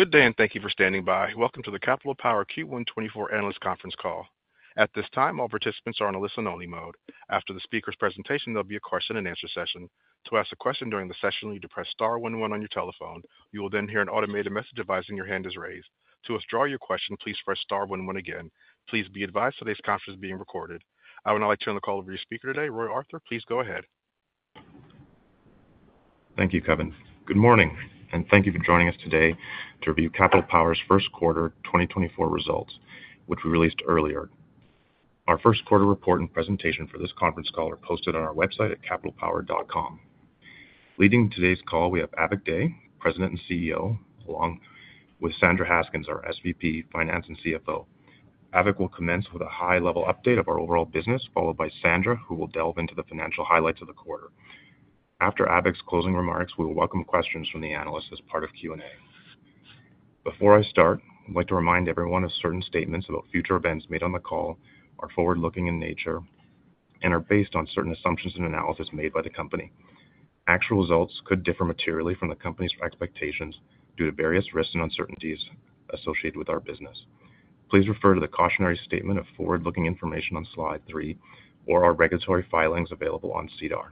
Good day and thank you for standing by. Welcome to the Capital Power Q1 2024 Analyst Conference call. At this time, all participants are on a listen-only mode. After the speaker's presentation, there'll be a question-and-answer session. To ask a question during the session, you depress star one one on your telephone. You will then hear an automated message advising your hand is raised. To withdraw your question, please press star one one again. Please be advised today's conference is being recorded. I would now like to turn the call over to your speaker today, Roy Arthur. Please go ahead. Thank you, Kevin. Good morning, and thank you for joining us today to review Capital Power's first quarter 2024 results, which we released earlier. Our first quarter report and presentation for this conference call are posted on our website at capitalpower.com. Leading today's call, we have Avik Dey, President and CEO, along with Sandra Haskins, our SVP, Finance and CFO. Avik will commence with a high-level update of our overall business, followed by Sandra, who will delve into the financial highlights of the quarter. After Avik's closing remarks, we will welcome questions from the analysts as part of Q&A. Before I start, I'd like to remind everyone of certain statements about future events made on the call are forward-looking in nature and are based on certain assumptions and analysis made by the company. Actual results could differ materially from the company's expectations due to various risks and uncertainties associated with our business. Please refer to the cautionary statement of forward-looking information on slide three or our regulatory filings available on SEDAR.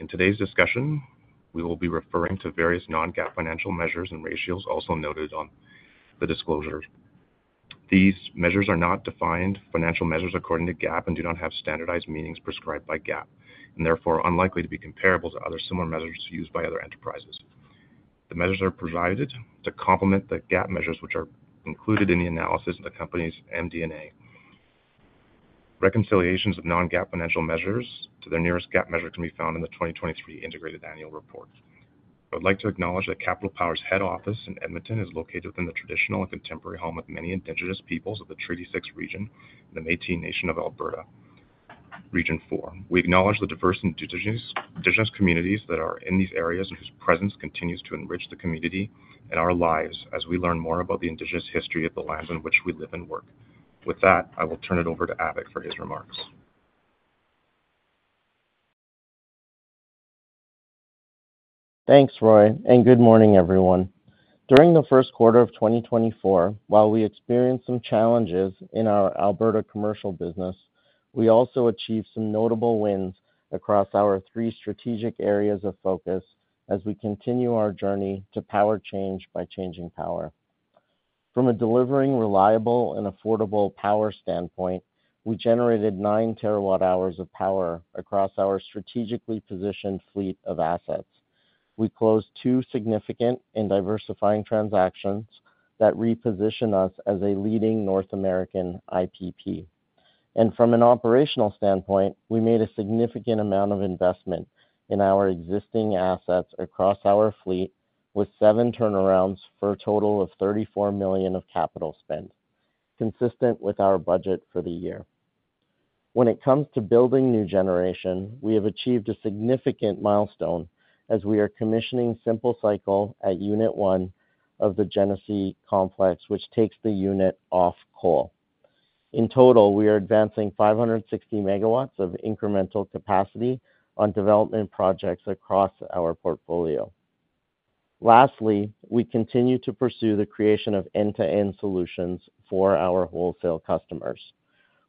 In today's discussion, we will be referring to various Non-GAAP financial measures and ratios also noted on the disclosures. These measures are not defined financial measures according to GAAP and do not have standardized meanings prescribed by GAAP, and therefore are unlikely to be comparable to other similar measures used by other enterprises. The measures are provided to complement the GAAP measures, which are included in the analysis of the company's MD&A. Reconciliations of Non-GAAP financial measures to their nearest GAAP measure can be found in the 2023 Integrated Annual Report. I would like to acknowledge that Capital Power's head office in Edmonton is located within the traditional and contemporary home of many Indigenous peoples of the Treaty Six region and the Métis Nation of Alberta, Region 4. We acknowledge the diverse Indigenous communities that are in these areas and whose presence continues to enrich the community and our lives as we learn more about the Indigenous history of the lands on which we live and work. With that, I will turn it over to Avik for his remarks. Thanks, Roy, and good morning, everyone. During the first quarter of 2024, while we experienced some challenges in our Alberta commercial business, we also achieved some notable wins across our three strategic areas of focus as we continue our journey to power change by changing power. From a delivering reliable and affordable power standpoint, we generated 9 TWh of power across our strategically positioned fleet of assets. We closed two significant and diversifying transactions that reposition us as a leading North American IPP. From an operational standpoint, we made a significant amount of investment in our existing assets across our fleet with seven turnarounds for a total of 34 million of capital spent, consistent with our budget for the year. When it comes to building new generation, we have achieved a significant milestone as we are commissioning simple cycle at Unit 1 of the Genesee complex, which takes the unit off coal. In total, we are advancing 560 MW of incremental capacity on development projects across our portfolio. Lastly, we continue to pursue the creation of end-to-end solutions for our wholesale customers.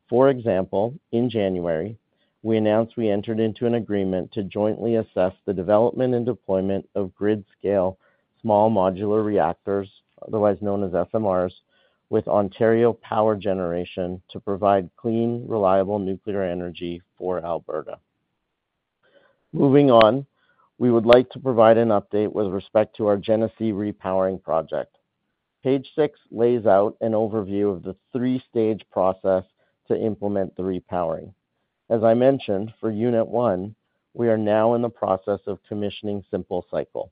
For example, in January, we announced we entered into an agreement to jointly assess the development and deployment of grid-scale small modular reactors, otherwise known as SMRs, with Ontario Power Generation to provide clean, reliable nuclear energy for Alberta. Moving on, we would like to provide an update with respect to our Genesee Repowering Project. Page six lays out an overview of the three-stage process to implement the repowering. As I mentioned, for Unit 1, we are now in the process of commissioning simple cycle.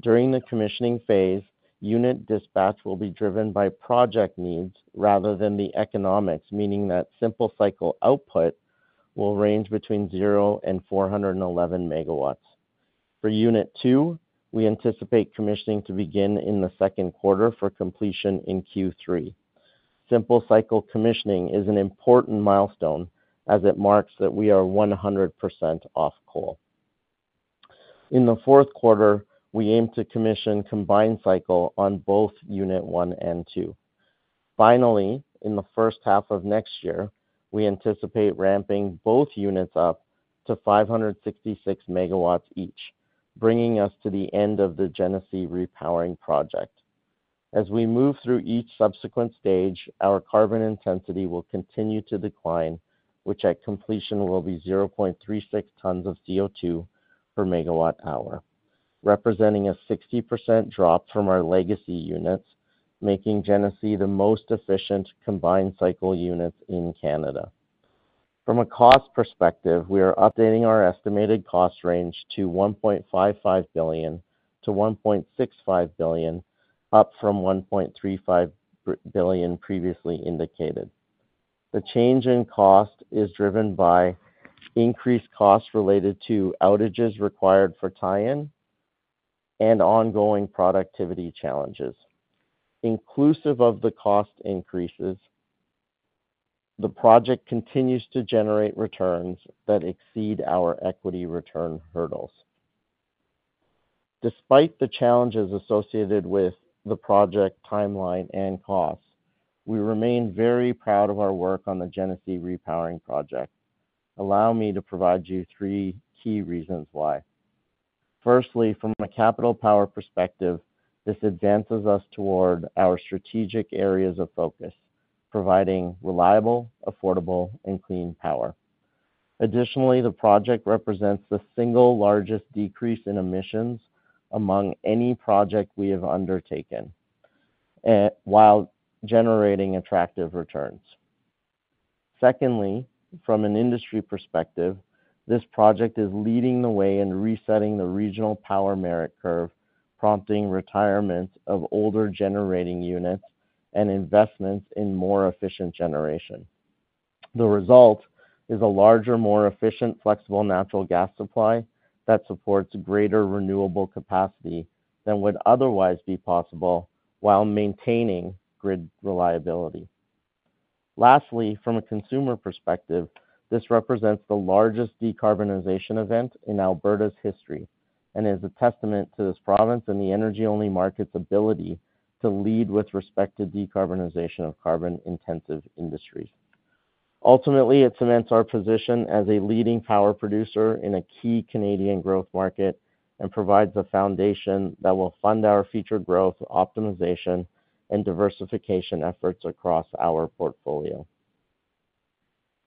During the commissioning phase, unit dispatch will be driven by project needs rather than the economics, meaning that simple cycle output will range between zero and 411 MW. For Unit 2, we anticipate commissioning to begin in the second quarter for completion in Q3. Simple cycle commissioning is an important milestone as it marks that we are 100% off coal. In the fourth quarter, we aim to commission combined cycle on both simple cycle Unit 1 and simple cycle Unit 2. Finally, in the first half of next year, we anticipate ramping both units up to 566 MW each, bringing us to the end of the Genesee Repowering Project. As we move through each subsequent stage, our carbon intensity will continue to decline, which at completion will be 0.36 tons of CO2 per megawatt-hour, representing a 60% drop from our legacy units, making Genesee the most efficient combined cycle unit in Canada. From a cost perspective, we are updating our estimated cost range to 1.55 billion-1.65 billion, up from 1.35 billion previously indicated. The change in cost is driven by increased costs related to outages required for tie-in and ongoing productivity challenges. Inclusive of the cost increases, the project continues to generate returns that exceed our equity return hurdles. Despite the challenges associated with the project timeline and costs, we remain very proud of our work on the Genesee Repowering Project. Allow me to provide you three key reasons why. Firstly, from a Capital Power perspective, this advances us toward our strategic areas of focus, providing reliable, affordable, and clean power. Additionally, the project represents the single largest decrease in emissions among any project we have undertaken while generating attractive returns. Secondly, from an industry perspective, this project is leading the way in resetting the regional power merit curve, prompting retirement of older generating units and investments in more efficient generation. The result is a larger, more efficient, flexible natural gas supply that supports greater renewable capacity than would otherwise be possible while maintaining grid reliability. Lastly, from a consumer perspective, this represents the largest decarbonization event in Alberta's history and is a testament to this province and the energy-only market's ability to lead with respect to decarbonization of carbon-intensive industries. Ultimately, it cements our position as a leading power producer in a key Canadian growth market and provides a foundation that will fund our future growth optimization and diversification efforts across our portfolio.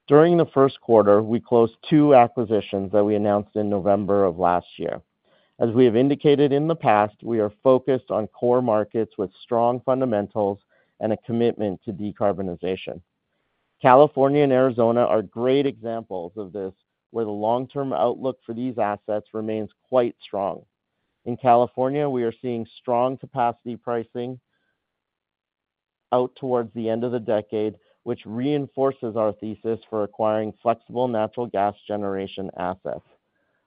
During the first quarter, we closed two acquisitions that we announced in November of last year. As we have indicated in the past, we are focused on core markets with strong fundamentals and a commitment to decarbonization. California and Arizona are great examples of this, where the long-term outlook for these assets remains quite strong. In California, we are seeing strong capacity pricing out towards the end of the decade, which reinforces our thesis for acquiring flexible natural gas generation assets.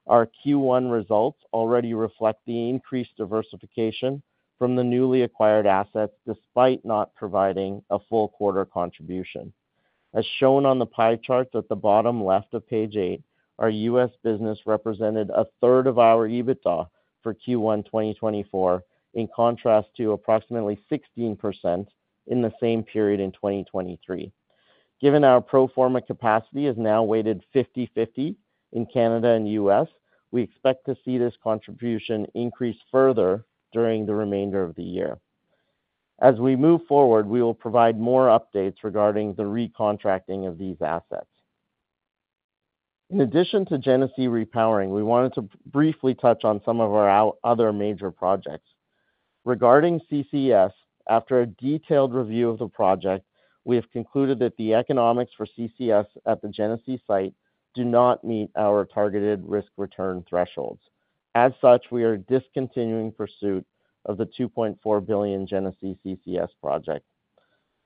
Our Q1 results already reflect the increased diversification from the newly acquired assets despite not providing a full quarter contribution. As shown on the pie chart at the bottom left of page eight, our US business represented a third of our EBITDA for Q1 2024, in contrast to approximately 16% in the same period in 2023. Given our pro forma capacity is now weighted 50/50 in Canada and US, we expect to see this contribution increase further during the remainder of the year. As we move forward, we will provide more updates regarding the recontracting of these assets. In addition to Genesee Repowering, we wanted to briefly touch on some of our other major projects. Regarding CCS, after a detailed review of the project, we have concluded that the economics for CCS at the Genesee site do not meet our targeted risk return thresholds. As such, we are discontinuing pursuit of the 2.4 billion Genesee CCS project.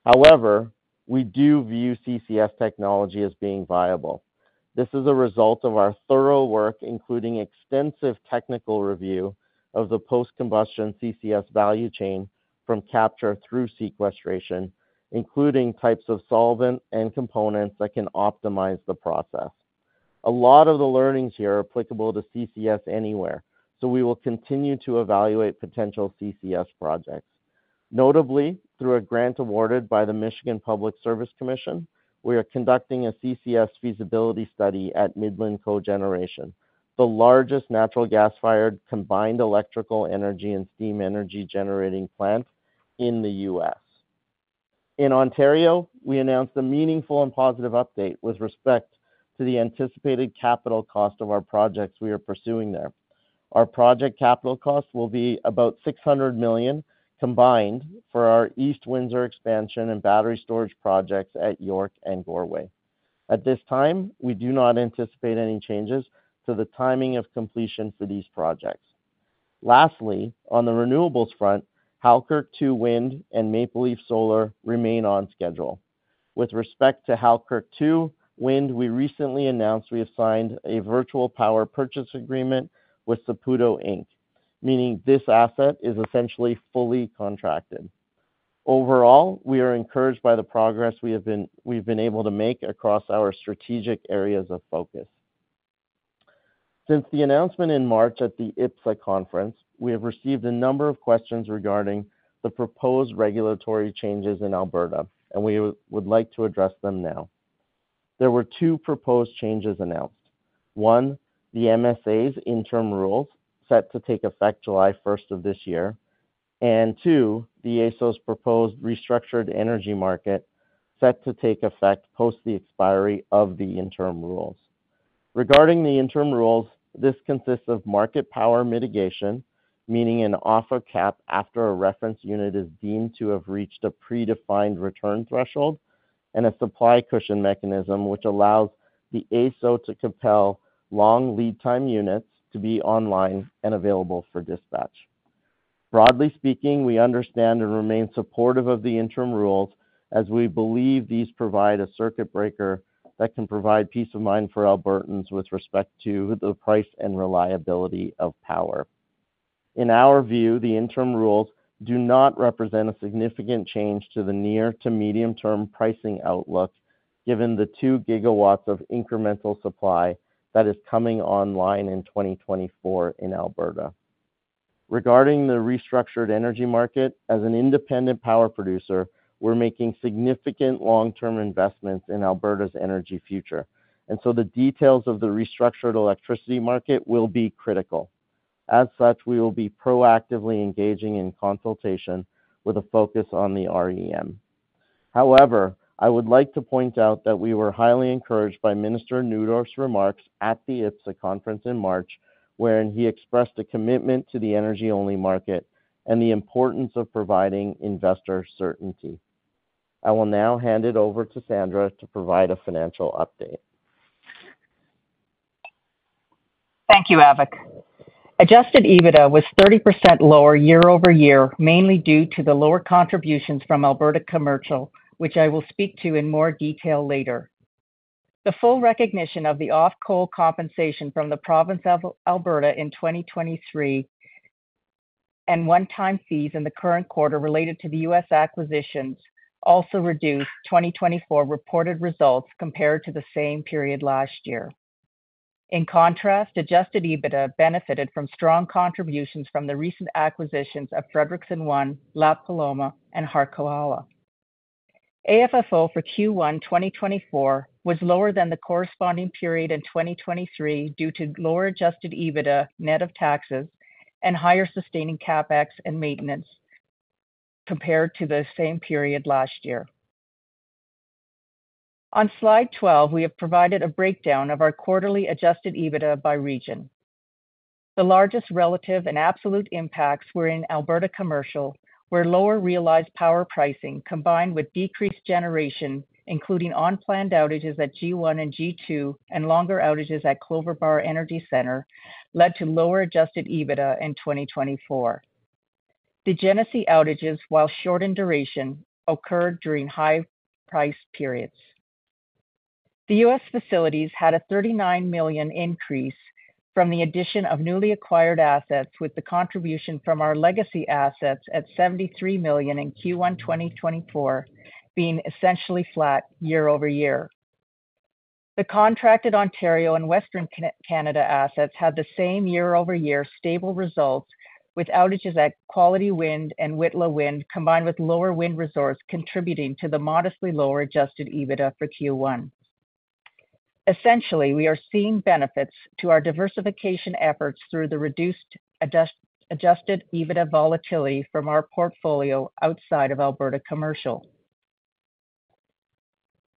However, we do view CCS technology as being viable. This is a result of our thorough work, including extensive technical review of the post-combustion CCS value chain from capture through sequestration, including types of solvent and components that can optimize the process. A lot of the learnings here are applicable to CCS anywhere, so we will continue to evaluate potential CCS projects. Notably, through a grant awarded by the Michigan Public Service Commission, we are conducting a CCS feasibility study at Midland Cogeneration Venture, the largest natural gas-fired combined electrical energy and steam generating plant in the US. In Ontario, we announced a meaningful and positive update with respect to the anticipated capital cost of our projects we are pursuing there. Our project capital cost will be about 600 million combined for our East Windsor expansion and battery storage projects at York and Goreway. At this time, we do not anticipate any changes to the timing of completion for these projects. Lastly, on the renewables front, Halkirk 2 Wind and Maple Leaf Solar remain on schedule. With respect to Halkirk 2 Wind, we recently announced we have signed a virtual power purchase agreement with Saputo Inc., meaning this asset is essentially fully contracted. Overall, we are encouraged by the progress we have been able to make across our strategic areas of focus. Since the announcement in March at the IPPSA conference, we have received a number of questions regarding the proposed regulatory changes in Alberta, and we would like to address them now. There were two proposed changes announced: one, the MSA's interim rules set to take effect July 1st of this year, and two, the AESO's proposed restructured energy market set to take effect post the expiry of the interim rules. Regarding the interim rules, this consists of market power mitigation, meaning an offer cap after a reference unit is deemed to have reached a predefined return threshold, and a supply cushion mechanism which allows the AESO to compel long lead-time units to be online and available for dispatch. Broadly speaking, we understand and remain supportive of the interim rules as we believe these provide a circuit breaker that can provide peace of mind for Albertans with respect to the price and reliability of power. In our view, the interim rules do not represent a significant change to the near-to-medium-term pricing outlook given the 2 gigawatts of incremental supply that is coming online in 2024 in Alberta. Regarding the restructured energy market, as an independent power producer, we're making significant long-term investments in Alberta's energy future, and so the details of the restructured electricity market will be critical. As such, we will be proactively engaging in consultation with a focus on the REM. However, I would like to point out that we were highly encouraged by Minister Neudorf's remarks at the IPPSA conference in March, wherein he expressed a commitment to the energy-only market and the importance of providing investor certainty. I will now hand it over to Sandra to provide a financial update. Thank you, Avik. Adjusted EBITDA was 30% lower year-over-year, mainly due to the lower contributions from Alberta Commercial, which I will speak to in more detail later. The full recognition of the off-coal compensation from the province of Alberta in 2023 and one-time fees in the current quarter related to the U.S. acquisitions also reduced 2024 reported results compared to the same period last year. In contrast, adjusted EBITDA benefited from strong contributions from the recent acquisitions of Frederickson 1, La Paloma, and Harquahala. AFFO for Q1 2024 was lower than the corresponding period in 2023 due to lower adjusted EBITDA net of taxes and higher sustaining CapEx and maintenance compared to the same period last year. On Slide 12, we have provided a breakdown of our quarterly adjusted EBITDA by region. The largest relative and absolute impacts were in Alberta Commercial, where lower realized power pricing combined with decreased generation, including unplanned outages at G1 and G2 and longer outages at Clover Bar Energy Center, led to lower Adjusted EBITDA in 2024. The Genesee outages, while short in duration, occurred during high-price periods. The US facilities had a 39 million increase from the addition of newly acquired assets, with the contribution from our legacy assets at 73 million in Q1 2024 being essentially flat year-over-year. The contracted Ontario and Western Canada assets had the same year-over-year stable results with outages at Quality Wind and Whitla Wind, combined with lower wind resources contributing to the modestly lower Adjusted EBITDA for Q1. Essentially, we are seeing benefits to our diversification efforts through the reduced Adjusted EBITDA volatility from our portfolio outside of Alberta Commercial.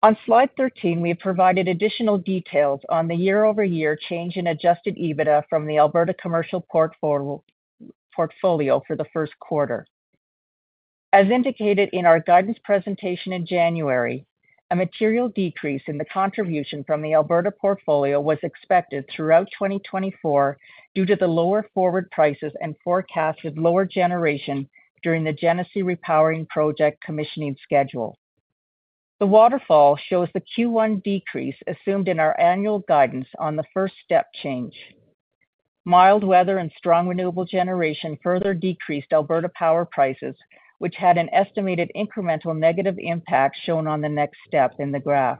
On Slide 13, we have provided additional details on the year-over-year change in Adjusted EBITDA from the Alberta Commercial portfolio for the first quarter. As indicated in our guidance presentation in January, a material decrease in the contribution from the Alberta portfolio was expected throughout 2024 due to the lower forward prices and forecasted lower generation during the Genesee Repowering Project commissioning schedule. The waterfall shows the Q1 decrease assumed in our annual guidance on the first step change. Mild weather and strong renewable generation further decreased Alberta power prices, which had an estimated incremental negative impact shown on the next step in the graph.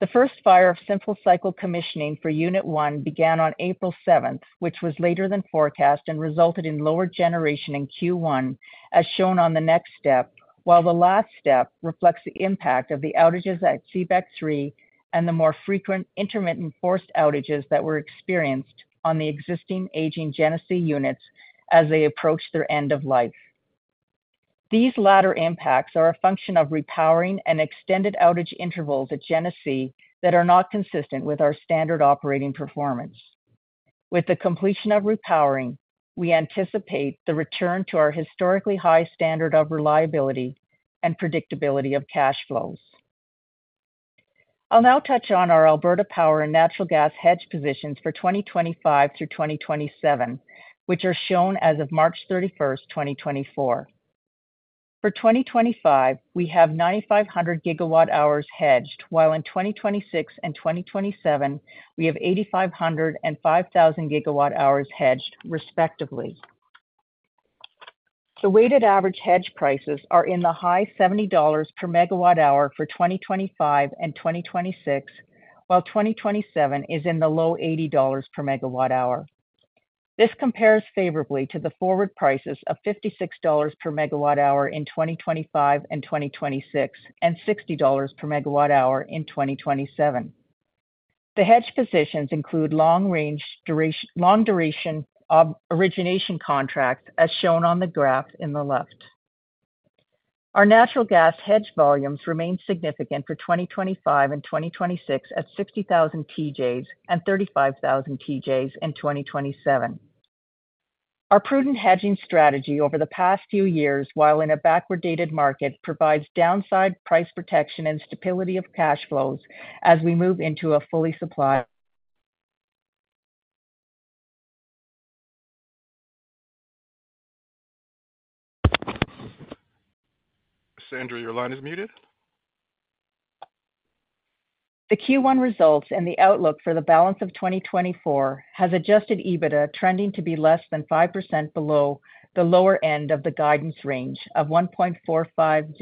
The first fire of simple cycle commissioning for Unit One began on April 7th, which was later than forecast and resulted in lower generation in Q1, as shown on the next step, while the last step reflects the impact of the outages at CBEC 3 and the more frequent intermittent forced outages that were experienced on the existing aging Genesee units as they approached their end of life. These latter impacts are a function of repowering and extended outage intervals at Genesee that are not consistent with our standard operating performance. With the completion of repowering, we anticipate the return to our historically high standard of reliability and predictability of cash flows. I'll now touch on our Alberta power and natural gas hedge positions for 2025 through 2027, which are shown as of March 31st, 2024. For 2025, we have 9,500 gigawatt-hours hedged, while in 2026 and 2027, we have 8,500 and 5,000 gigawatt-hours hedged, respectively. The weighted average hedge prices are in the high 70 dollars per megawatt-hour for 2025 and 2026, while 2027 is in the low 80 dollars per megawatt-hour. This compares favorably to the forward prices of 56 dollars per megawatt-hour in 2025 and 2026 and 60 dollars per megawatt-hour in 2027. The hedge positions include long-duration origination contracts, as shown on the graph on the left. Our natural gas hedge volumes remain significant for 2025 and 2026 at 60,000 TJs and 35,000 TJs in 2027. Our prudent hedging strategy over the past few years, while in a backwardated market, provides downside price protection and stability of cash flows as we move into a fully supplied. Sandra, your line is muted. The Q1 results and the outlook for the balance of 2024 has Adjusted EBITDA trending to be less than 5% below the lower end of the guidance range of 1.450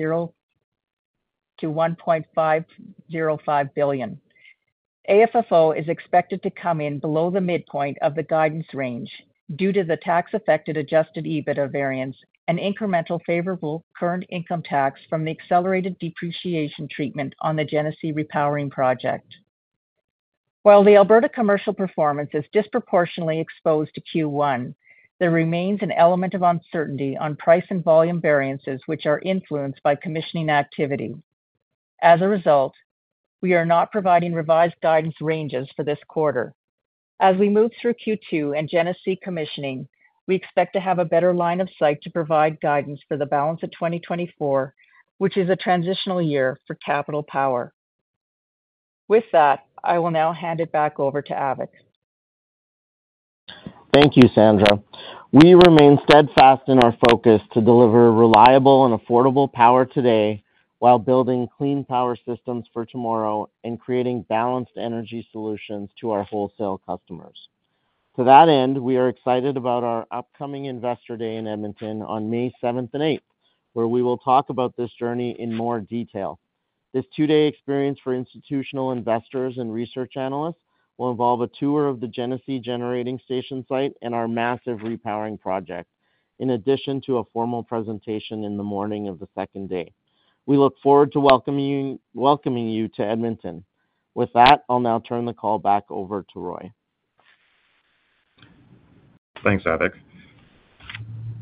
billion-1.505 billion. AFFO is expected to come in below the midpoint of the guidance range due to the tax-affected Adjusted EBITDA variance and incremental favorable current income tax from the accelerated depreciation treatment on the Genesee Repowering Project. While the Alberta Commercial performance is disproportionately exposed to Q1, there remains an element of uncertainty on price and volume variances, which are influenced by commissioning activity. As a result, we are not providing revised guidance ranges for this quarter. As we move through Q2 and Genesee commissioning, we expect to have a better line of sight to provide guidance for the balance of 2024, which is a transitional year for Capital Power. With that, I will now hand it back over to Avik. Thank you, Sandra. We remain steadfast in our focus to deliver reliable and affordable power today while building clean power systems for tomorrow and creating balanced energy solutions to our wholesale customers. To that end, we are excited about our upcoming Investor Day in Edmonton on May 7th and 8th, where we will talk about this journey in more detail. This two-day experience for institutional investors and research analysts will involve a tour of the Genesee Generating Station site and our massive Genesee Repowering Project, in addition to a formal presentation in the morning of the second day. We look forward to welcoming you to Edmonton. With that, I'll now turn the call back over to Roy. Thanks, Avik.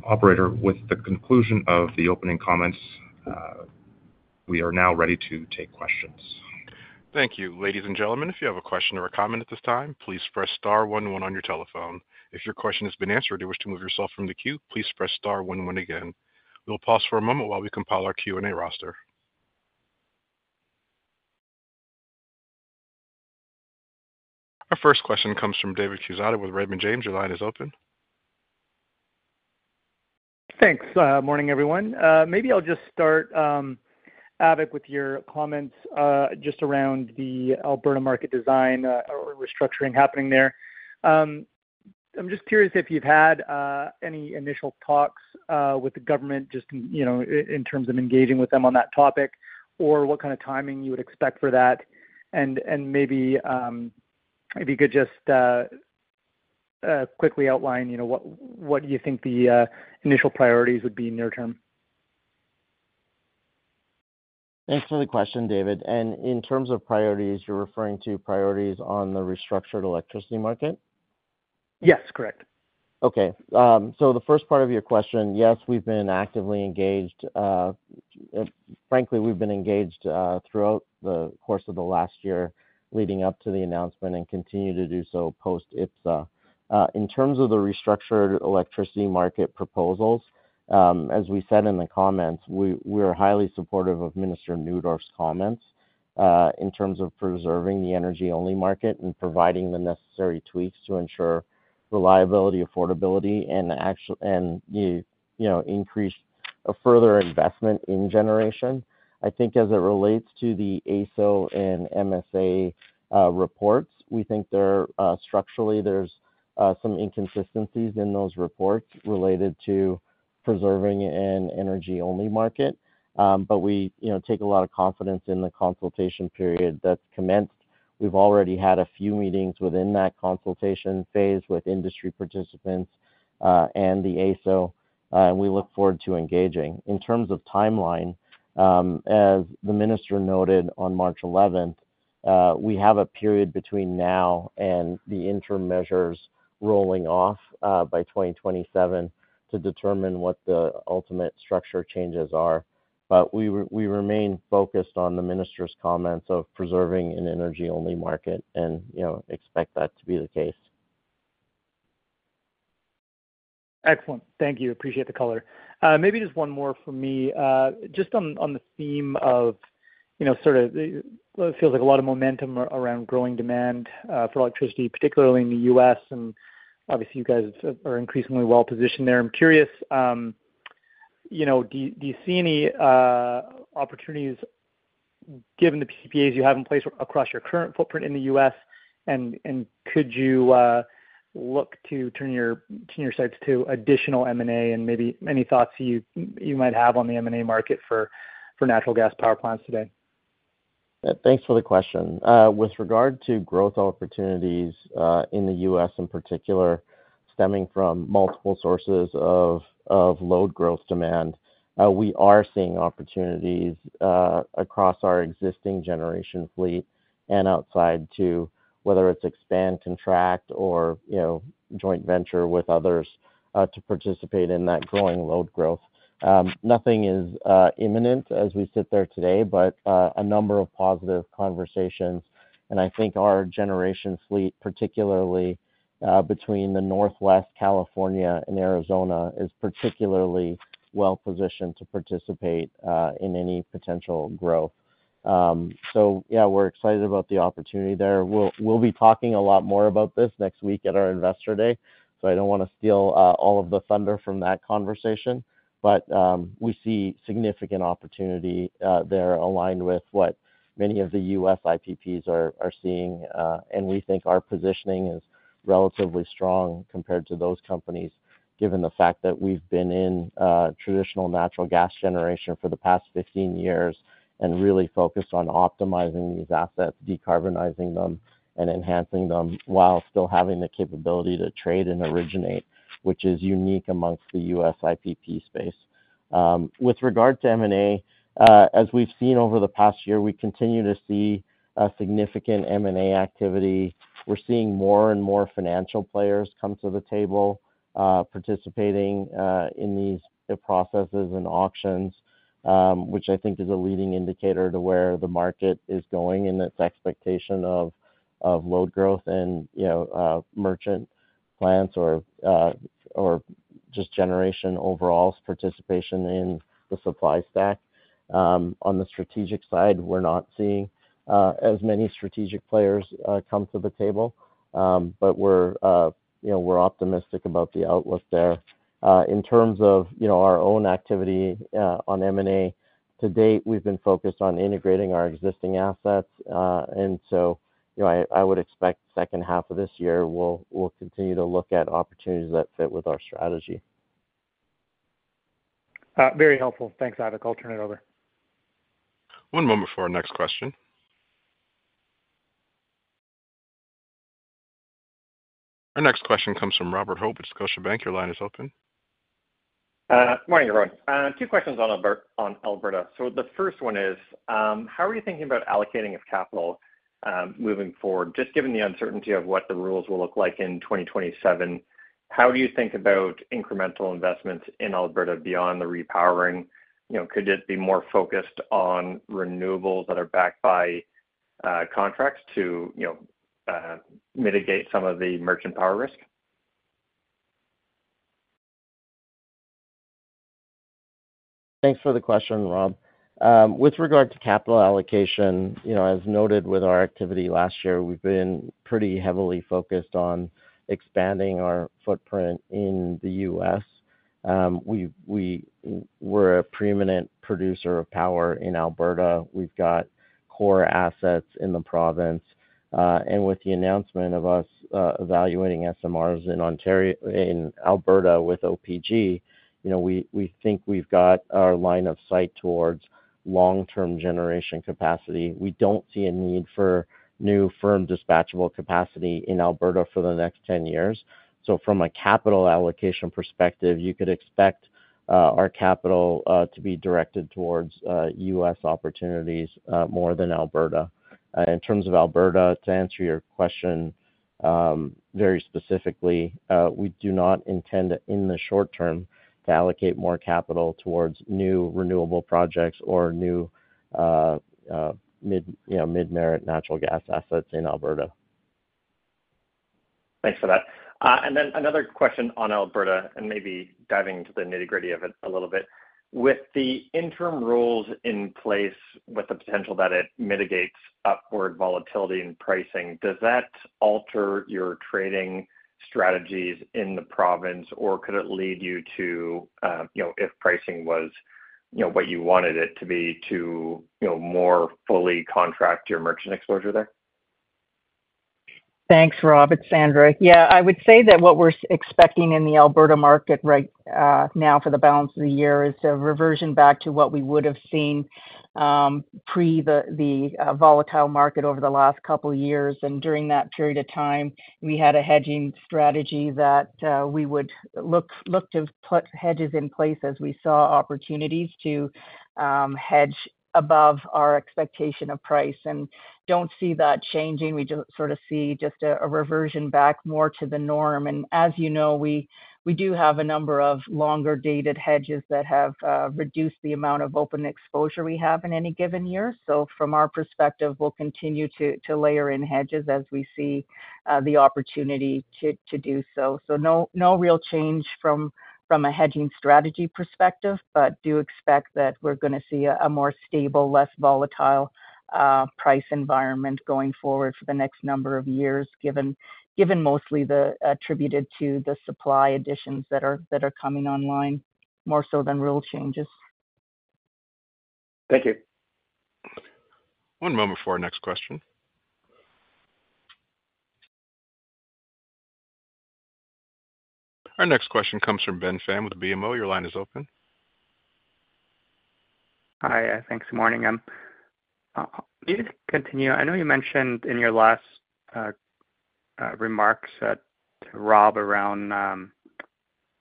Operator, with the conclusion of the opening comments, we are now ready to take questions. Thank you. Ladies and gentlemen, if you have a question or a comment at this time, please press star one one on your telephone. If your question has been answered or you wish to move yourself from the queue, please press star one one again. We'll pause for a moment while we compile our Q&A roster. Our first question comes from David Quezada with Raymond James. Your line is open. Thanks. Morning, everyone. Maybe I'll just start, Avik, with your comments just around the Alberta market design or restructuring happening there. I'm just curious if you've had any initial talks with the government just in terms of engaging with them on that topic or what kind of timing you would expect for that, and maybe if you could just quickly outline what you think the initial priorities would be in the near term. Thanks for the question, David. In terms of priorities, you're referring to priorities on the restructured electricity market? Yes, correct. Okay. So the first part of your question, yes, we've been actively engaged. Frankly, we've been engaged throughout the course of the last year leading up to the announcement and continue to do so post-IPPSA. In terms of the restructured electricity market proposals, as we said in the comments, we are highly supportive of Minister Neudorf's comments in terms of preserving the energy-only market and providing the necessary tweaks to ensure reliability, affordability, and increased further investment in generation. I think as it relates to the AESO and MSA reports, we think structurally, there's some inconsistencies in those reports related to preserving an energy-only market, but we take a lot of confidence in the consultation period that's commenced. We've already had a few meetings within that consultation phase with industry participants and the AESO, and we look forward to engaging. In terms of timeline, as the minister noted on March 11th, we have a period between now and the interim measures rolling off by 2027 to determine what the ultimate structure changes are, but we remain focused on the minister's comments of preserving an energy-only market and expect that to be the case. Excellent. Thank you. Appreciate the color. Maybe just one more for me. Just on the theme of sort of it feels like a lot of momentum around growing demand for electricity, particularly in the U.S., and obviously, you guys are increasingly well-positioned there. I'm curious, do you see any opportunities given the PPAs you have in place across your current footprint in the U.S., and could you look to turn your sights to additional M&A and maybe any thoughts you might have on the M&A market for natural gas power plants today? Thanks for the question. With regard to growth opportunities in the U.S. in particular, stemming from multiple sources of load growth demand, we are seeing opportunities across our existing generation fleet and outside too, whether it's expand, contract, or joint venture with others to participate in that growing load growth. Nothing is imminent as we sit there today, but a number of positive conversations, and I think our generation fleet, particularly between the Northwest, California, and Arizona, is particularly well-positioned to participate in any potential growth. So yeah, we're excited about the opportunity there. We'll be talking a lot more about this next week at our Investor Day, so I don't want to steal all of the thunder from that conversation, but we see significant opportunity there aligned with what many of the U.S. IPPs are seeing, and we think our positioning is relatively strong compared to those companies given the fact that we've been in traditional natural gas generation for the past 15 years and really focused on optimizing these assets, decarbonizing them, and enhancing them while still having the capability to trade and originate, which is unique amongst the U.S. IPP space. With regard to M&A, as we've seen over the past year, we continue to see significant M&A activity. We're seeing more and more financial players come to the table participating in these processes and auctions, which I think is a leading indicator to where the market is going in its expectation of load growth in merchant plants or just generation overall participation in the supply stack. On the strategic side, we're not seeing as many strategic players come to the table, but we're optimistic about the outlook there. In terms of our own activity on M&A, to date, we've been focused on integrating our existing assets, and so I would expect second half of this year we'll continue to look at opportunities that fit with our strategy. Very helpful. Thanks, Avik. I'll turn it over. One moment for our next question. Our next question comes from Robert Hope at Scotiabank. Your line is open. Morning, everyone. Two questions on Alberta. So the first one is, how are you thinking about allocating of capital moving forward? Just given the uncertainty of what the rules will look like in 2027, how do you think about incremental investments in Alberta beyond the repowering? Could it be more focused on renewables that are backed by contracts to mitigate some of the merchant power risk? Thanks for the question, Rob. With regard to capital allocation, as noted with our activity last year, we've been pretty heavily focused on expanding our footprint in the U.S. We're a preeminent producer of power in Alberta. We've got core assets in the province. With the announcement of us evaluating SMRs in Alberta with OPG, we think we've got our line of sight towards long-term generation capacity. We don't see a need for new firm dispatchable capacity in Alberta for the next 10 years. From a capital allocation perspective, you could expect our capital to be directed towards U.S. opportunities more than Alberta. In terms of Alberta, to answer your question very specifically, we do not intend in the short term to allocate more capital towards new renewable projects or new mid-merit natural gas assets in Alberta. Thanks for that. And then another question on Alberta and maybe diving into the nitty-gritty of it a little bit. With the interim rules in place, with the potential that it mitigates upward volatility in pricing, does that alter your trading strategies in the province, or could it lead you to, if pricing was what you wanted it to be, to more fully contract your merchant exposure there? Thanks, Rob. It's Sandra. Yeah, I would say that what we're expecting in the Alberta market right now for the balance of the year is a reversion back to what we would have seen pre the volatile market over the last couple of years. During that period of time, we had a hedging strategy that we would look to put hedges in place as we saw opportunities to hedge above our expectation of price. And don't see that changing. We just sort of see just a reversion back more to the norm. As you know, we do have a number of longer-dated hedges that have reduced the amount of open exposure we have in any given year. From our perspective, we'll continue to layer in hedges as we see the opportunity to do so. No real change from a hedging strategy perspective, but do expect that we're going to see a more stable, less volatile price environment going forward for the next number of years given mostly attributed to the supply additions that are coming online more so than rule changes. Thank you. One moment for our next question. Our next question comes from Ben Pham with BMO. Your line is open. Hi. Thanks. Good morning. Maybe to continue, I know you mentioned in your last remarks to Rob around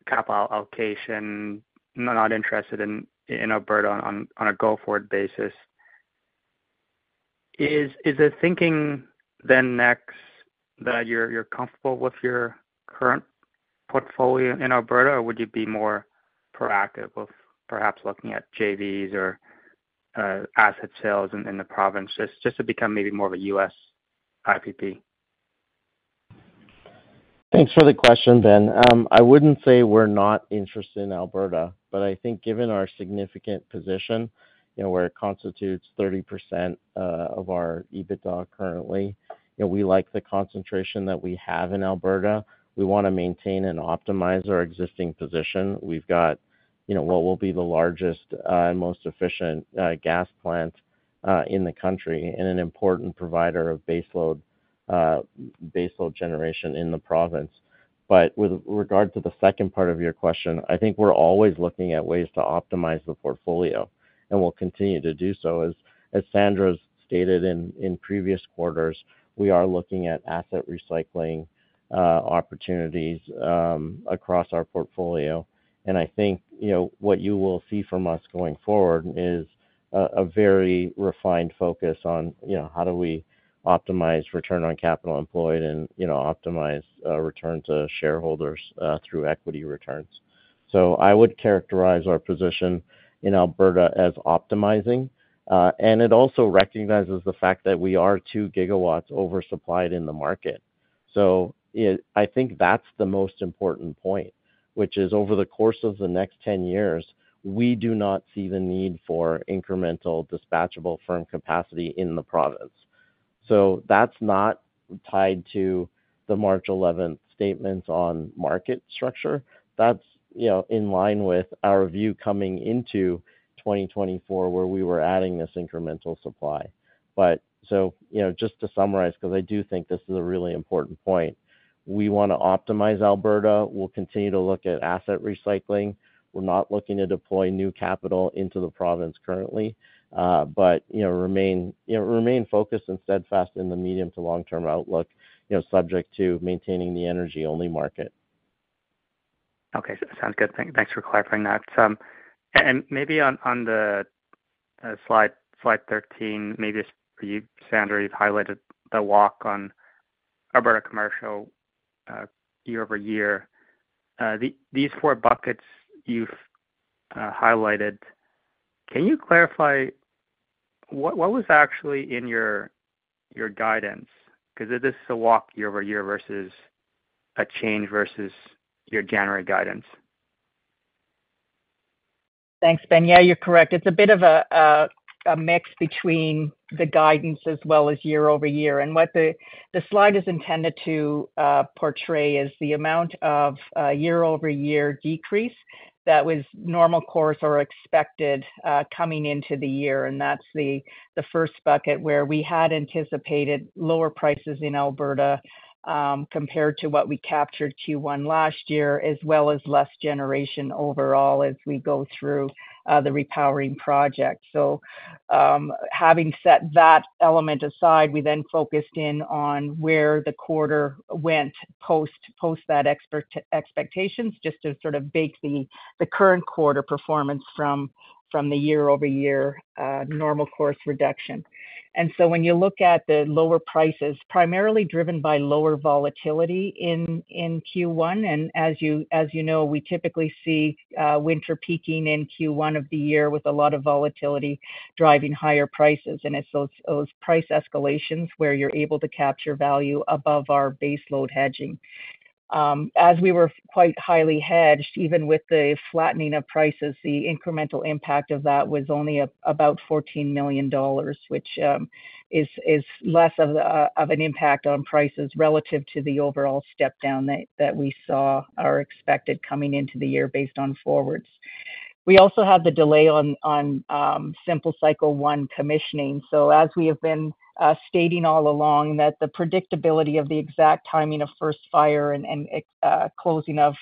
capital allocation, not interested in Alberta on a go-forward basis. Is the thinking then next that you're comfortable with your current portfolio in Alberta, or would you be more proactive with perhaps looking at JVs or asset sales in the province just to become maybe more of a US IPP? Thanks for the question, Ben. I wouldn't say we're not interested in Alberta, but I think given our significant position where it constitutes 30% of our EBITDA currently, we like the concentration that we have in Alberta. We want to maintain and optimize our existing position. We've got what will be the largest and most efficient gas plant in the country and an important provider of baseload generation in the province. But with regard to the second part of your question, I think we're always looking at ways to optimize the portfolio, and we'll continue to do so. As Sandra stated in previous quarters, we are looking at asset recycling opportunities across our portfolio. And I think what you will see from us going forward is a very refined focus on how do we optimize return on capital employed and optimize return to shareholders through equity returns. So I would characterize our position in Alberta as optimizing, and it also recognizes the fact that we are 2 GW oversupplied in the market. So I think that's the most important point, which is over the course of the next 10 years, we do not see the need for incremental dispatchable firm capacity in the province. So that's not tied to the March 11th statements on market structure. That's in line with our view coming into 2024 where we were adding this incremental supply. But so just to summarize, because I do think this is a really important point, we want to optimize Alberta. We'll continue to look at asset recycling. We're not looking to deploy new capital into the province currently, but remain focused and steadfast in the medium to long-term outlook subject to maintaining the energy-only market. Okay. Sounds good. Thanks for clarifying that. And maybe on the Slide 13, maybe Sandra, you've highlighted the walk on Alberta commercial year-over-year. These four buckets you've highlighted, can you clarify what was actually in your guidance? Because this is a walk year-over-year versus a change versus your January guidance. Thanks, Ben. Yeah, you're correct. It's a bit of a mix between the guidance as well as year-over-year. And what the slide is intended to portray is the amount of year-over-year decrease that was normal course or expected coming into the year. And that's the first bucket where we had anticipated lower prices in Alberta compared to what we captured Q1 last year, as well as less generation overall as we go through the repowering project. So having set that element aside, we then focused in on where the quarter went post that expectations just to sort of bake the current quarter performance from the year-over-year normal course reduction. And so when you look at the lower prices, primarily driven by lower volatility in Q1. And as you know, we typically see winter peaking in Q1 of the year with a lot of volatility driving higher prices. It's those price escalations where you're able to capture value above our baseload hedging. As we were quite highly hedged, even with the flattening of prices, the incremental impact of that was only about 14 million dollars, which is less of an impact on prices relative to the overall stepdown that we saw or expected coming into the year based on forwards. We also had the delay on simple cycle Unit 1 commissioning. So as we have been stating all along, that the predictability of the exact timing of first fire and closing of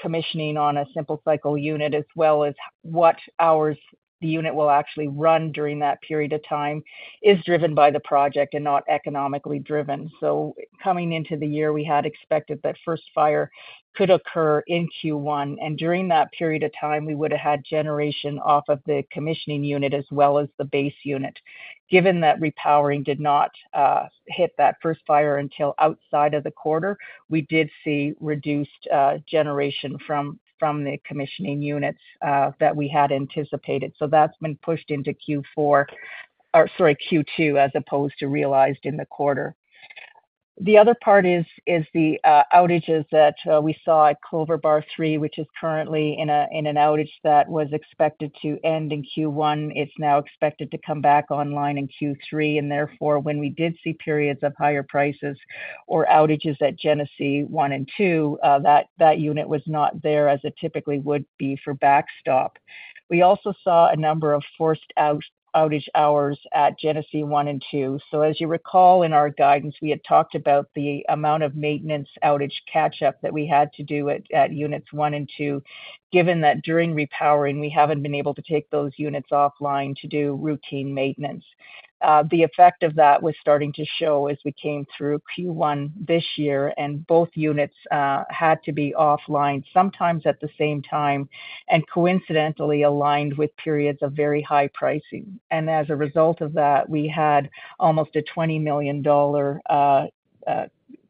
commissioning on a simple Cycle Unit, as well as what hours the unit will actually run during that period of time, is driven by the project and not economically driven. So coming into the year, we had expected that first fire could occur in Q1. During that period of time, we would have had generation off of the commissioning unit as well as the base unit. Given that repowering did not hit that first fire until outside of the quarter, we did see reduced generation from the commissioning units that we had anticipated. So that's been pushed into Q4 or sorry, Q2 as opposed to realized in the quarter. The other part is the outages that we saw at Clover Bar 3, which is currently in an outage that was expected to end in Q1. It's now expected to come back online in Q3. Therefore, when we did see periods of higher prices or outages at Genesee 1 and 2, that unit was not there as it typically would be for backstop. We also saw a number of forced outage hours at Genesee one and two. So as you recall, in our guidance, we had talked about the amount of maintenance outage catch-up that we had to do at units one and two, given that during repowering, we haven't been able to take those units offline to do routine maintenance. The effect of that was starting to show as we came through Q1 this year, and both units had to be offline sometimes at the same time and coincidentally aligned with periods of very high pricing. And as a result of that, we had almost a 20 million dollar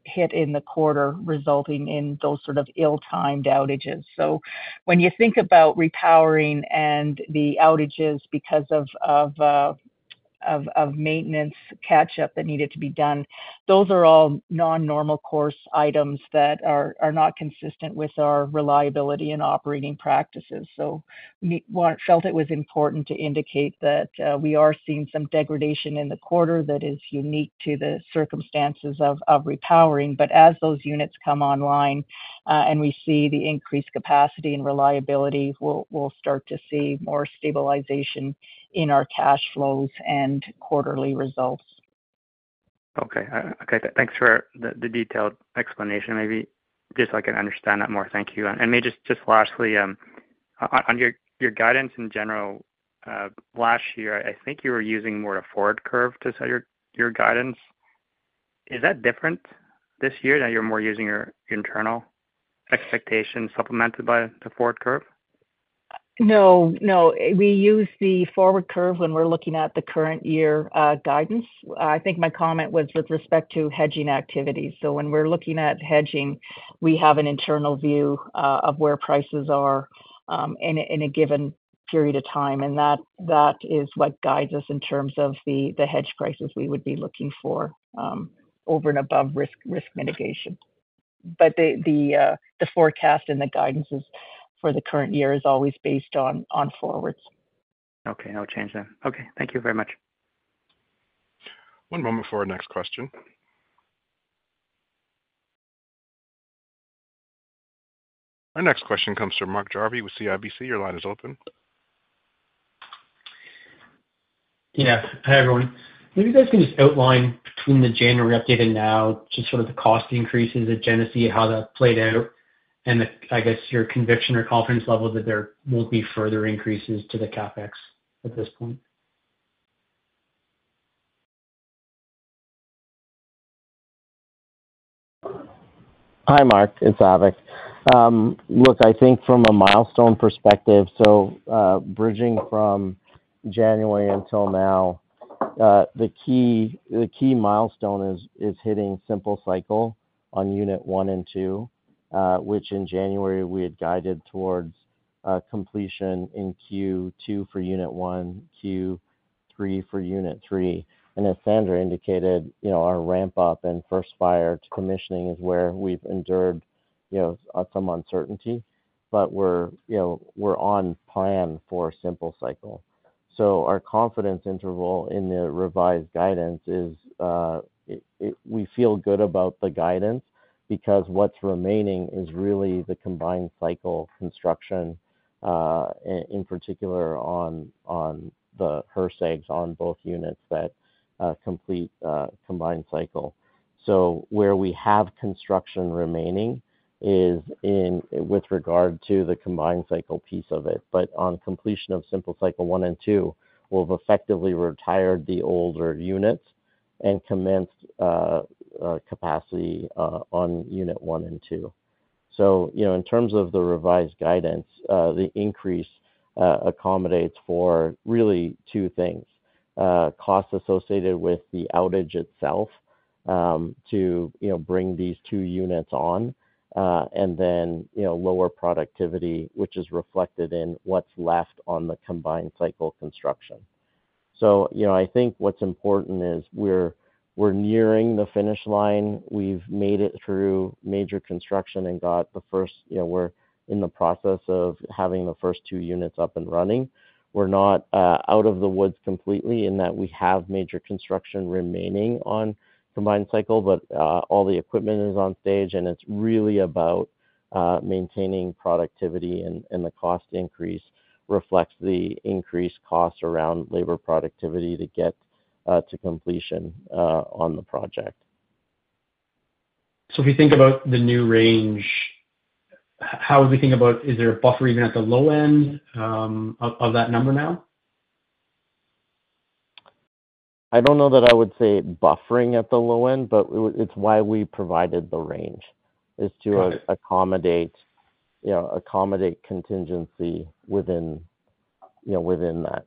hit in the quarter resulting in those sort of ill-timed outages. So when you think about repowering and the outages because of maintenance catch-up that needed to be done, those are all non-normal course items that are not consistent with our reliability and operating practices. We felt it was important to indicate that we are seeing some degradation in the quarter that is unique to the circumstances of repowering. But as those units come online and we see the increased capacity and reliability, we'll start to see more stabilization in our cash flows and quarterly results. Okay. Okay. Thanks for the detailed explanation. Maybe just so I can understand that more. Thank you. And maybe just lastly, on your guidance in general, last year, I think you were using more of a forward curve to set your guidance. Is that different this year that you're more using your internal expectations supplemented by the forward curve? No. No. We use the forward curve when we're looking at the current year guidance. I think my comment was with respect to hedging activities. So when we're looking at hedging, we have an internal view of where prices are in a given period of time. And that is what guides us in terms of the hedge prices we would be looking for over and above risk mitigation. But the forecast and the guidances for the current year is always based on forwards. Okay. No change then. Okay. Thank you very much. One moment for our next question. Our next question comes from Mark Jarvi with CIBC. Your line is open. Yeah. Hi, everyone. Maybe you guys can just outline between the January update and now, just sort of the cost increases at Genesee, how that played out, and I guess your conviction or confidence level that there won't be further increases to the CapEx at this point? Hi, Mark. It's Avik. Look, I think from a milestone perspective, so bridging from January until now, the key milestone is hitting Simple Cycle on unit one and two, which in January, we had guided towards completion in Q2 for unit one, Q3 for unit 3. And as Sandra indicated, our ramp-up and first fire commissioning is where we've endured some uncertainty, but we're on plan for simple cycle. So our confidence interval in the revised guidance is we feel good about the guidance because what's remaining is really the Combined Cycle construction, in particular on the HRSGs on both units that complete Combined Cycle. So where we have construction remaining is with regard to the Combined Cycle piece of it. But on completion of simple cycle One and simple cycle Unit 2, we'll have effectively retired the older units and commenced capacity on simple cycle Unit 1 and simple cycle Unit 2. So in terms of the revised guidance, the increase accommodates for really two things: cost associated with the outage itself to bring these two units on, and then lower productivity, which is reflected in what's left on the combined cycle construction. So I think what's important is we're nearing the finish line. We've made it through major construction and got the first we're in the process of having the first two units up and running. We're not out of the woods completely in that we have major construction remaining on combined cycle, but all the equipment is on stage, and it's really about maintaining productivity, and the cost increase reflects the increased cost around labor productivity to get to completion on the project. So, if we think about the new range, how would we think about is there a buffer even at the low end of that number now? I don't know that I would say buffering at the low end, but it's why we provided the range is to accommodate contingency within that.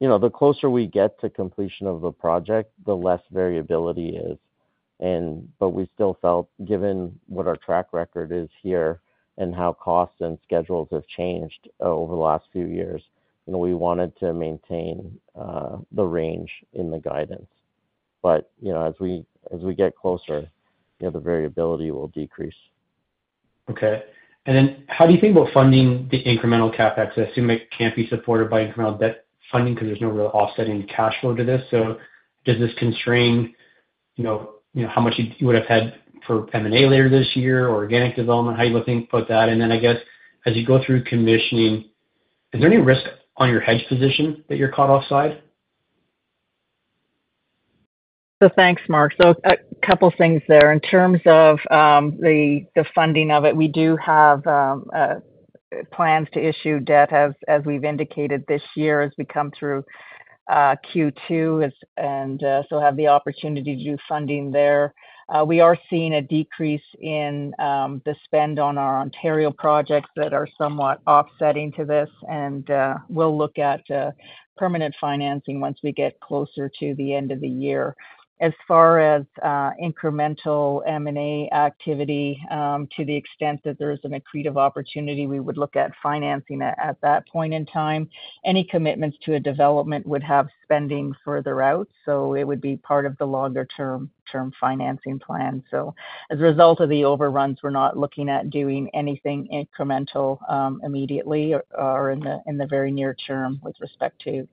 So the closer we get to completion of the project, the less variability is. But we still felt, given what our track record is here and how costs and schedules have changed over the last few years, we wanted to maintain the range in the guidance. But as we get closer, the variability will decrease. Okay. And then how do you think about funding the incremental CapEx? I assume it can't be supported by incremental debt funding because there's no real offsetting cash flow to this. So does this constrain how much you would have had for M&A later this year or organic development? How do you put that? And then I guess as you go through commissioning, is there any risk on your hedge position that you're caught offside? Thanks, Mark. A couple of things there. In terms of the funding of it, we do have plans to issue debt as we've indicated this year as we come through Q2 and so have the opportunity to do funding there. We are seeing a decrease in the spend on our Ontario projects that are somewhat offsetting to this. We'll look at permanent financing once we get closer to the end of the year. As far as incremental M&A activity, to the extent that there is an accretive opportunity, we would look at financing at that point in time. Any commitments to a development would have spending further out. It would be part of the longer-term financing plan. As a result of the overruns, we're not looking at doing anything incremental immediately or in the very near term with respect to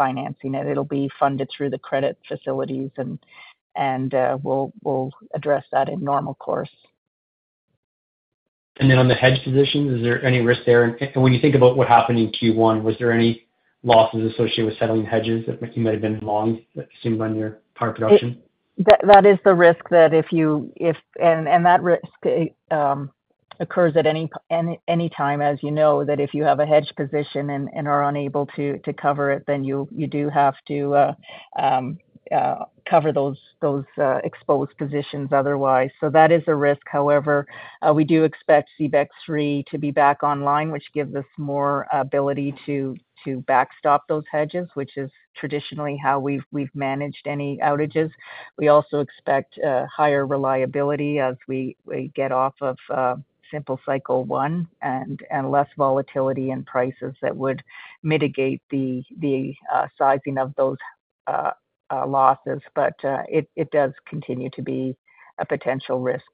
financing it. It'll be funded through the credit facilities, and we'll address that in normal course. Then on the hedge positions, is there any risk there? When you think about what happened in Q1, was there any losses associated with settling hedges that you might have been long, assumed on your power production? That is the risk that if you and that risk occurs at any time, as you know, that if you have a hedge position and are unable to cover it, then you do have to cover those exposed positions otherwise. So that is a risk. However, we do expect Genesee 3 to be back online, which gives us more ability to backstop those hedges, which is traditionally how we've managed any outages. We also expect higher reliability as we get off of simple cycle Unit 1 and less volatility in prices that would mitigate the sizing of those losses. But it does continue to be a potential risk.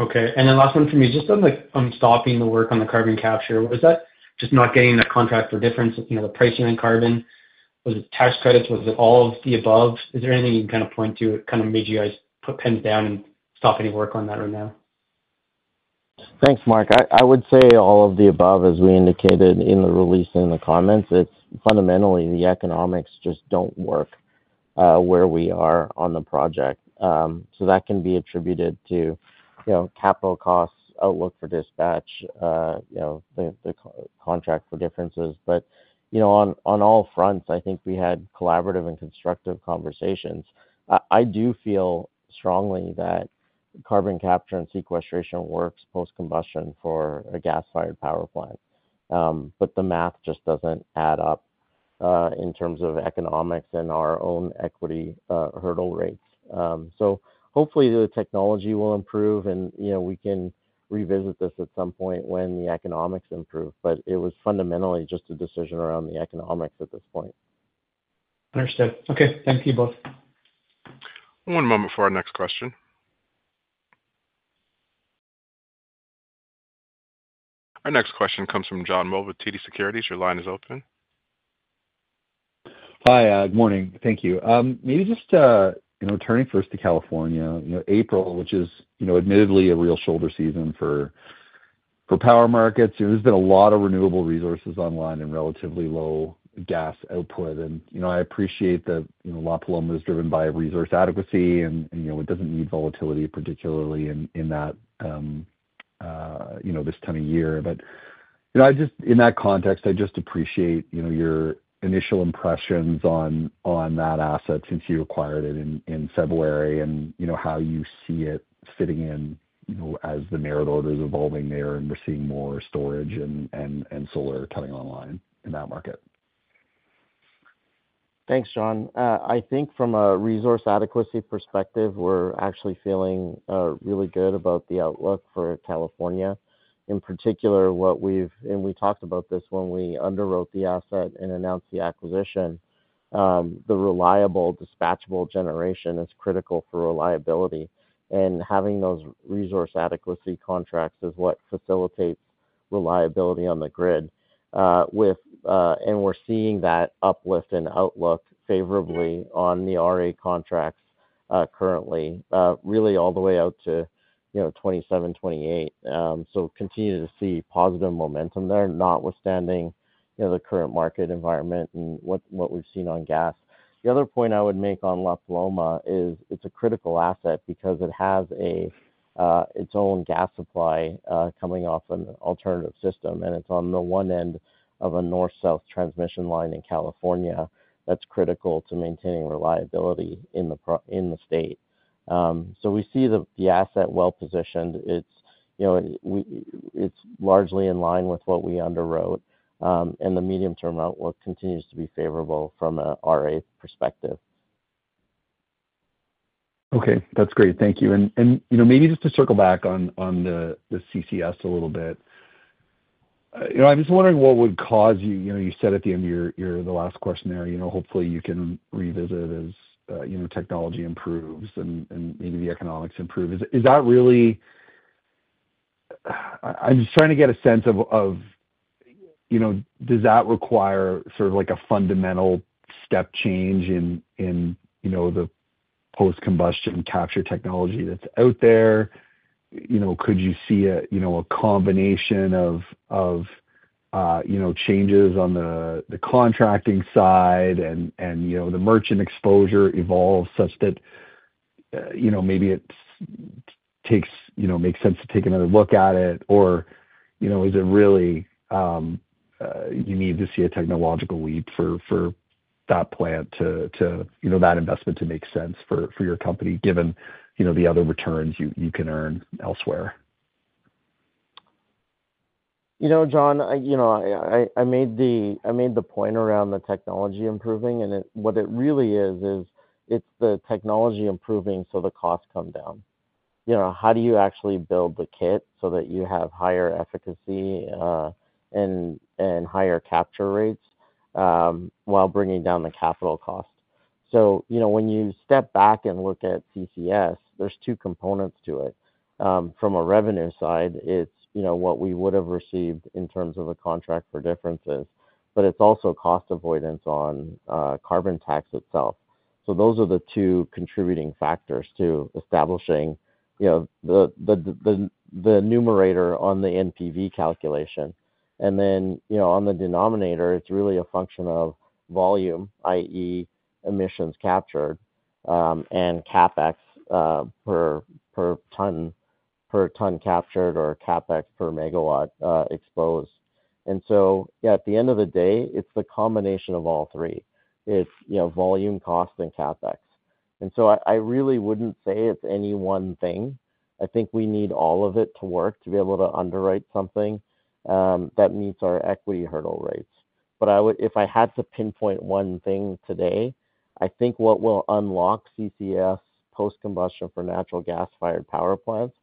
Okay. And then last one from me, just on stopping the work on the carbon capture, was that just not getting the contract for difference, the pricing on carbon? Was it tax credits? Was it all of the above? Is there anything you can kind of point to that kind of made you guys put pens down and stop any work on that right now? Thanks, Mark. I would say all of the above, as we indicated in the release and in the comments. It's fundamentally the economics just don't work where we are on the project. So that can be attributed to capital costs, outlook for dispatch, the contract for differences. But on all fronts, I think we had collaborative and constructive conversations. I do feel strongly that carbon capture and sequestration works post-combustion for a gas-fired power plant. But the math just doesn't add up in terms of economics and our own equity hurdle rates. So hopefully, the technology will improve, and we can revisit this at some point when the economics improve. But it was fundamentally just a decision around the economics at this point. Understood. Okay. Thank you both. One moment for our next question. Our next question comes from John Mould with TD Securities. Your line is open. Hi. Good morning. Thank you. Maybe just turning first to California, April, which is admittedly a real shoulder season for power markets. There's been a lot of renewable resources online and relatively low gas output. And I appreciate that La Paloma is driven by resource adequacy, and it doesn't need volatility, particularly in this time of year. But in that context, I just appreciate your initial impressions on that asset since you acquired it in February and how you see it fitting in as the merit order is evolving there and we're seeing more storage and solar coming online in that market. Thanks, John. I think from a resource adequacy perspective, we're actually feeling really good about the outlook for California. In particular, as we've talked about this when we underwrote the asset and announced the acquisition. The reliable dispatchable generation is critical for reliability. And having those resource adequacy contracts is what facilitates reliability on the grid. And we're seeing that uplift in outlook favorably on the RA contracts currently, really all the way out to 2027, 2028. So continue to see positive momentum there, notwithstanding the current market environment and what we've seen on gas. The other point I would make on La Paloma is it's a critical asset because it has its own gas supply coming off an alternative system. And it's on the one end of a north-south transmission line in California that's critical to maintaining reliability in the state. We see the asset well positioned. It's largely in line with what we underwrote. The medium-term outlook continues to be favorable from an RA perspective. Okay. That's great. Thank you. And maybe just to circle back on the CCS a little bit, I'm just wondering what would cause you? You said at the end of the last questionnaire, hopefully, you can revisit as technology improves and maybe the economics improve. Is that really? I'm just trying to get a sense of does that require sort of a fundamental step change in the post-combustion capture technology that's out there? Could you see a combination of changes on the contracting side and the merchant exposure evolve such that maybe it makes sense to take another look at it? Or is it really you need to see a technological leap for that plant to that investment to make sense for your company, given the other returns you can earn elsewhere? You know, John, I made the point around the technology improving. And what it really is, is it's the technology improving so the costs come down. How do you actually build the kit so that you have higher efficacy and higher capture rates while bringing down the capital cost? So when you step back and look at CCS, there's two components to it. From a revenue side, it's what we would have received in terms of a contract for differences. But it's also cost avoidance on carbon tax itself. So those are the two contributing factors to establishing the numerator on the NPV calculation. And then on the denominator, it's really a function of volume, i.e., emissions captured, and CapEx per ton captured or CapEx per megawatt exposed. And so at the end of the day, it's the combination of all three. It's volume, cost, and CapEx. And so I really wouldn't say it's any one thing. I think we need all of it to work to be able to underwrite something that meets our equity hurdle rates. But if I had to pinpoint one thing today, I think what will unlock CCS post-combustion for natural gas-fired power plants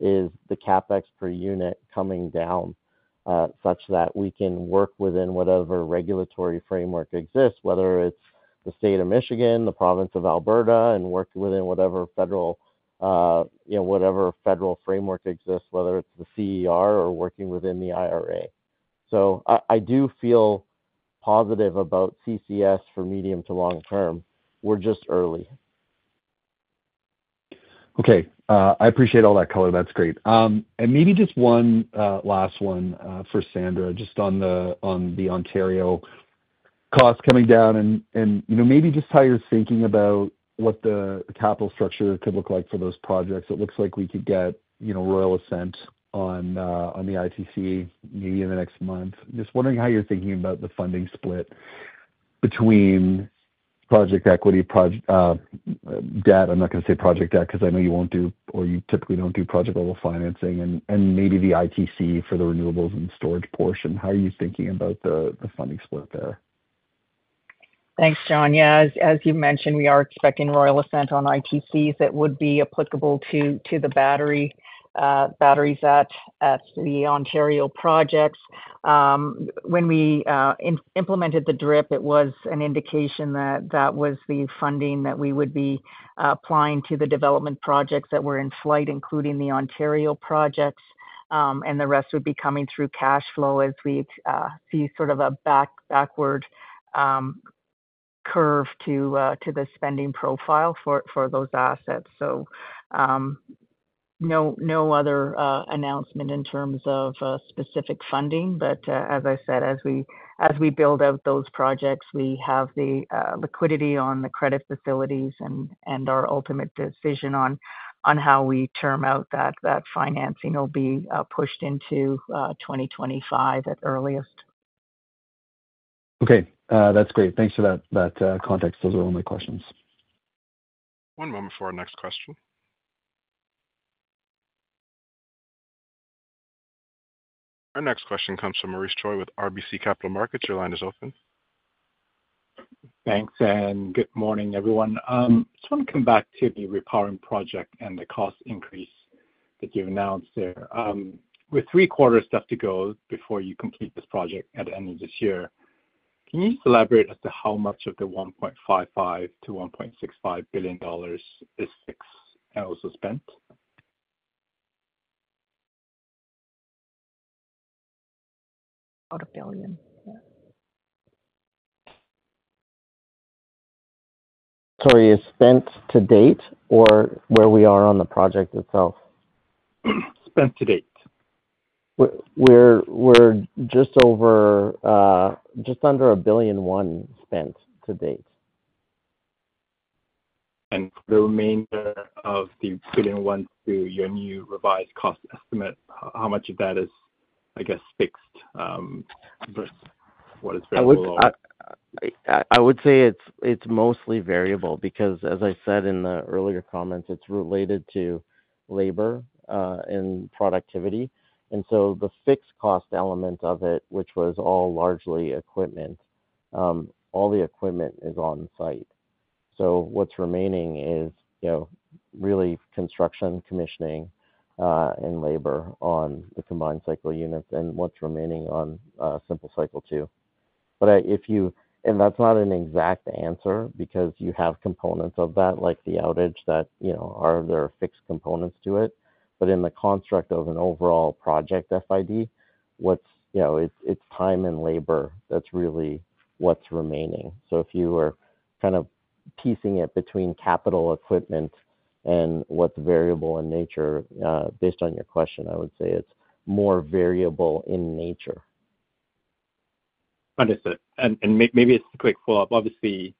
is the CapEx per unit coming down such that we can work within whatever regulatory framework exists, whether it's the state of Michigan, the province of Alberta, and work within whatever federal framework exists, whether it's the CER or working within the IRA. So I do feel positive about CCS for medium to long term. We're just early. Okay. I appreciate all that color. That's great. And maybe just one last one for Sandra, just on the Ontario cost coming down and maybe just how you're thinking about what the capital structure could look like for those projects. It looks like we could get Royal Assent on the ITC maybe in the next month. Just wondering how you're thinking about the funding split between project equity debt. I'm not going to say project debt because I know you won't do or you typically don't do project-level financing. And maybe the ITC for the renewables and storage portion. How are you thinking about the funding split there? Thanks, John. Yeah. As you mentioned, we are expecting Royal Assent on ITCs that would be applicable to the batteries at the Ontario projects. When we implemented the DRIP, it was an indication that that was the funding that we would be applying to the development projects that were in flight, including the Ontario projects. And the rest would be coming through cash flow as we see sort of a backward curve to the spending profile for those assets. So no other announcement in terms of specific funding. But as I said, as we build out those projects, we have the liquidity on the credit facilities and our ultimate decision on how we term out that financing will be pushed into 2025 at the earliest. Okay. That's great. Thanks for that context. Those were all my questions. One moment for our next question. Our next question comes from Maurice Choy with RBC Capital Markets. Your line is open. Thanks. Good morning, everyone. I just want to come back to the repowering project and the cost increase that you announced there. With three-quarters left to go before you complete this project at the end of this year, can you just elaborate as to how much of the CAD 1.55-$1.65 billion is fixed and also spent? CAD 1 billion. Yeah. Sorry, is spent to date or where we are on the project itself? Spent to date. We're just under CAD 1.1 billion spent to date. For the remainder of the 1 billion to your new revised cost estimate, how much of that is, I guess, fixed versus what is variable? I would say it's mostly variable because, as I said in the earlier comments, it's related to labor and productivity. And so the fixed cost element of it, which was all largely equipment, all the equipment is on-site. So what's remaining is really construction, commissioning, and labor on the combined cycle units and what's remaining on simple cycle Unit 2. And that's not an exact answer because you have components of that like the outage that are there fixed components to it. But in the construct of an overall project FID, it's time and labor that's really what's remaining. So if you were kind of piecing it between capital, equipment, and what's variable in nature, based on your question, I would say it's more variable in nature. Understood. And maybe it's a quick follow-up. Obviously,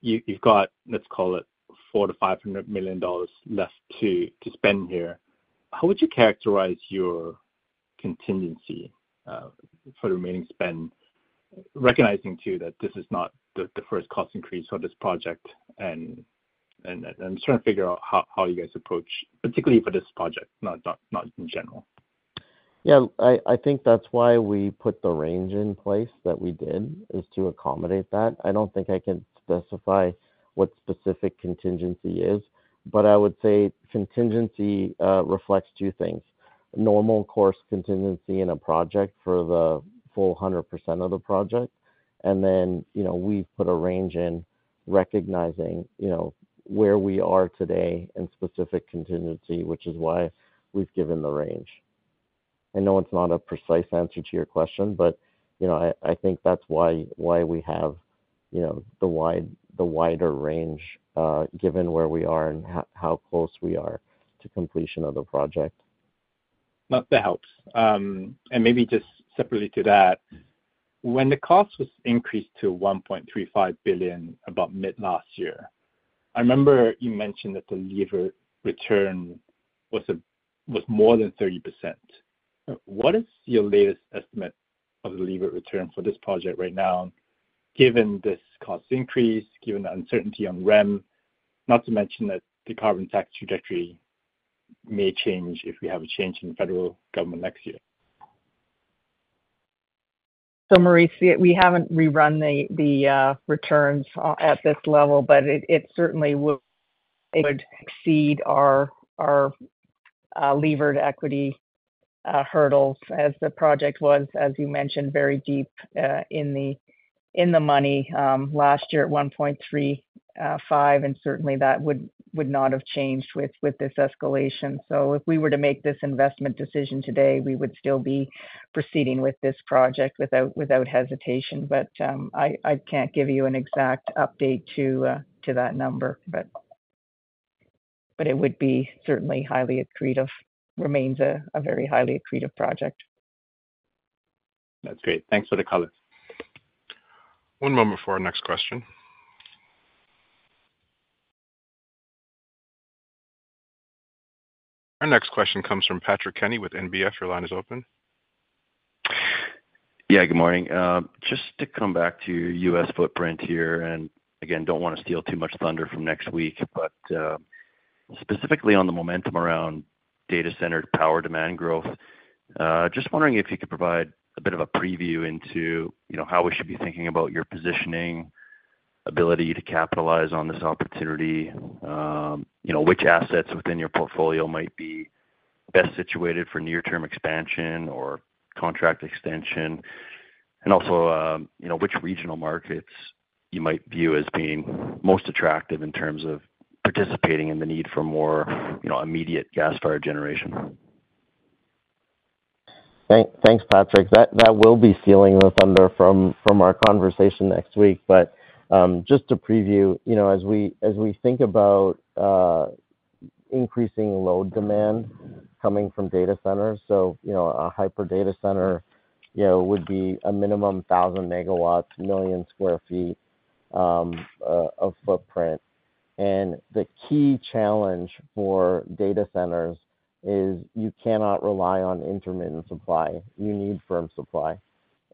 you've got, let's call it, 400 million-500 million dollars left to spend here. How would you characterize your contingency for the remaining spend, recognizing too that this is not the first cost increase for this project? And I'm trying to figure out how you guys approach, particularly for this project, not in general? Yeah. I think that's why we put the range in place that we did is to accommodate that. I don't think I can specify what specific contingency is. But I would say contingency reflects two things, normal course contingency in a project for the full 100% of the project. And then we've put a range in recognizing where we are today and specific contingency, which is why we've given the range. I know it's not a precise answer to your question, but I think that's why we have the wider range given where we are and how close we are to completion of the project. That helps. And maybe just separately to that, when the cost was increased to 1.35 billion about mid last year, I remember you mentioned that the levered return was more than 30%. What is your latest estimate of the levered return for this project right now, given this cost increase, given the uncertainty on REM, not to mention that the carbon tax trajectory may change if we have a change in federal government next year? So Maurice, we haven't rerun the returns at this level, but it certainly would exceed our levered equity hurdles as the project was, as you mentioned, very deep in the money last year at 1.35. And certainly, that would not have changed with this escalation. So if we were to make this investment decision today, we would still be proceeding with this project without hesitation. But I can't give you an exact update to that number. But it would be certainly highly accretive, remains a very highly accretive project. That's great. Thanks for the color. One moment for our next question. Our next question comes from Patrick Kenny with NBF. Your line is open. Yeah. Good morning. Just to come back to U.S. footprint here and, again, don't want to steal too much thunder from next week, but specifically on the momentum around data center power demand growth, just wondering if you could provide a bit of a preview into how we should be thinking about your positioning, ability to capitalize on this opportunity, which assets within your portfolio might be best situated for near-term expansion or contract extension, and also which regional markets you might view as being most attractive in terms of participating in the need for more immediate gas-fired generation? Thanks, Patrick. That will be stealing the thunder from our conversation next week. But just to preview, as we think about increasing load demand coming from data centers, so a hyper-data center would be a minimum 1,000 MW, 1 million sq ft of footprint. And the key challenge for data centers is you cannot rely on intermittent supply. You need firm supply.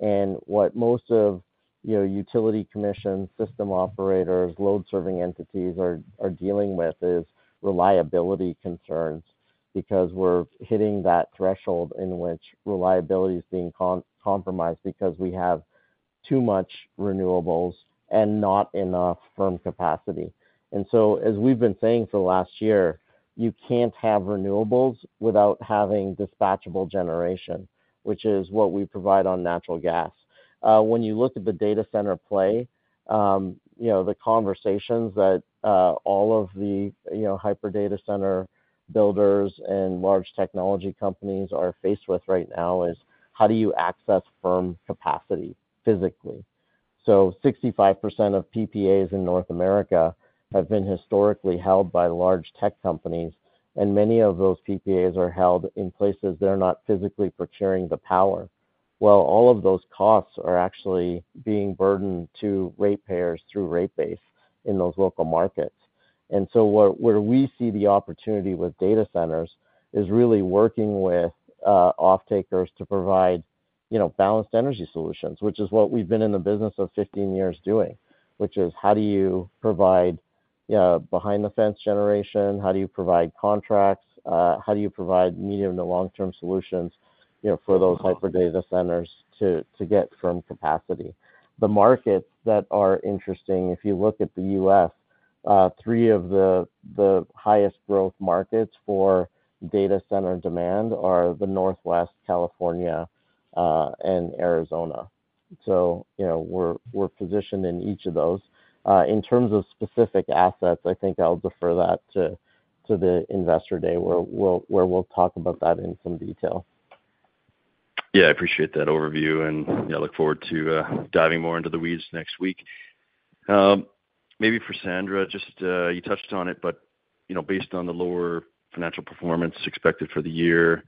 And what most of utility commissions, system operators, load-serving entities are dealing with is reliability concerns because we're hitting that threshold in which reliability is being compromised because we have too much renewables and not enough firm capacity. And so as we've been saying for the last year, you can't have renewables without having dispatchable generation, which is what we provide on natural gas. When you look at the data center play, the conversations that all of the hyper-data center builders and large technology companies are faced with right now is how do you access firm capacity physically? So 65% of PPAs in North America have been historically held by large tech companies. And many of those PPAs are held in places they're not physically procuring the power. Well, all of those costs are actually being burdened to ratepayers through rate base in those local markets. And so where we see the opportunity with data centers is really working with off-takers to provide balanced energy solutions, which is what we've been in the business of 15 years doing, which is how do you provide behind-the-fence generation? How do you provide contracts? How do you provide medium to long-term solutions for those hyper-data centers to get firm capacity? The markets that are interesting, if you look at the U.S., three of the highest growth markets for data center demand are the Northwest, California, and Arizona. So we're positioned in each of those. In terms of specific assets, I think I'll defer that to the Investor Day where we'll talk about that in some detail. Yeah. I appreciate that overview. Yeah, I look forward to diving more into the weeds next week. Maybe for Sandra, you touched on it, but based on the lower financial performance expected for the year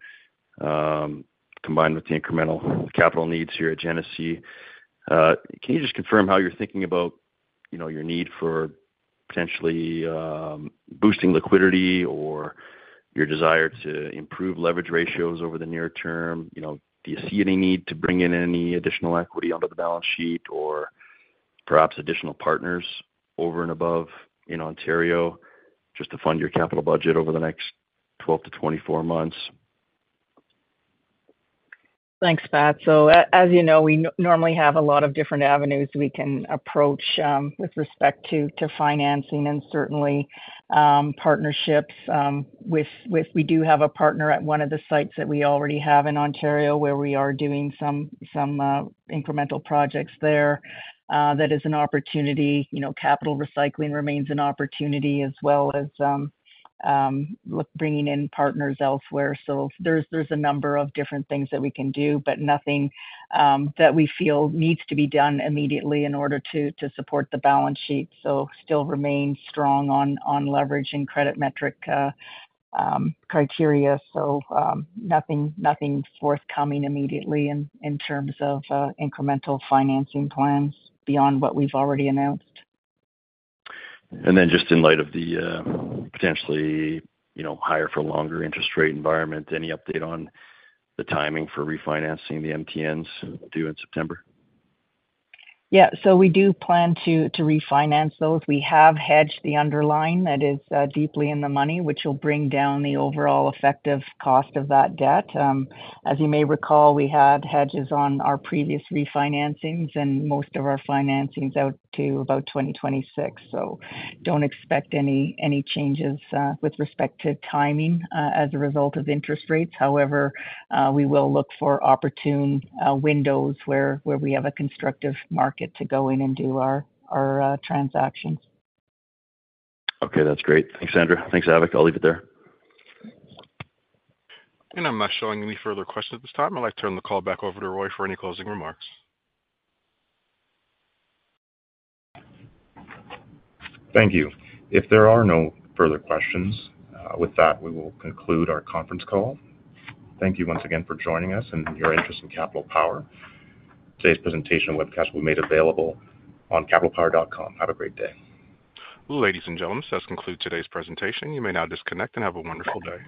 combined with the incremental capital needs here at Genesee, can you just confirm how you're thinking about your need for potentially boosting liquidity or your desire to improve leverage ratios over the near term? Do you see any need to bring in any additional equity under the balance sheet or perhaps additional partners over and above in Ontario just to fund your capital budget over the next 12-24 months? Thanks, Pat. So as you know, we normally have a lot of different avenues we can approach with respect to financing and certainly partnerships with we do have a partner at one of the sites that we already have in Ontario where we are doing some incremental projects there. That is an opportunity. Capital recycling remains an opportunity as well as bringing in partners elsewhere. So there's a number of different things that we can do, but nothing that we feel needs to be done immediately in order to support the balance sheet. So still remain strong on leverage and credit metric criteria. So nothing forthcoming immediately in terms of incremental financing plans beyond what we've already announced. And then just in light of the potentially higher for longer interest rate environment, any update on the timing for refinancing the MTNs due in September? Yeah. So we do plan to refinance those. We have hedged the underlying that is deeply in the money, which will bring down the overall effective cost of that debt. As you may recall, we had hedges on our previous refinancings and most of our financings out to about 2026. So don't expect any changes with respect to timing as a result of interest rates. However, we will look for opportune windows where we have a constructive market to go in and do our transactions. Okay. That's great. Thanks, Sandra. Thanks, Avik. I'll leave it there. I'm not showing any further questions at this time. I'd like to turn the call back over to Roy for any closing remarks. Thank you. If there are no further questions, with that, we will conclude our conference call. Thank you once again for joining us and your interest in Capital Power. Today's presentation webcast will be made available on capitalpower.com. Have a great day. Well, ladies and gentlemen, that concludes today's presentation. You may now disconnect and have a wonderful day.